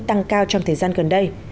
tăng cao trong thời gian gần đây